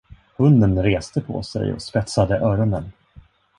Hunden reste på sig och spetsade öronen.